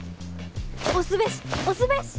押すべし押すべし！